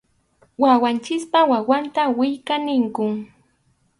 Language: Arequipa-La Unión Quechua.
Wawanchikpa wawanta willka ninkum.